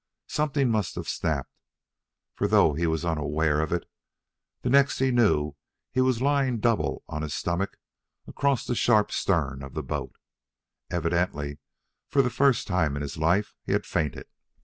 Something must have snapped, for, though he was unaware of it, the next he knew he was lying doubled on his stomach across the sharp stern of the boat. Evidently, and for the first time in his life, he had fainted.